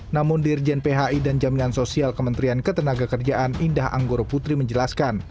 namun dirjen phi dan jaminan sosial kementerian ketenaga kerjaan indah anggoro putri menjelaskan